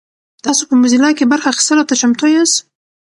تاسو په موزیلا کې برخه اخیستلو ته چمتو یاست؟